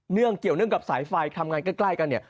งเกี่ยวเนื่องกับสายไฟทำงานใกล้กันเนี่ย